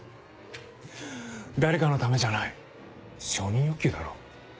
誰かのためじゃない承認欲求だろ？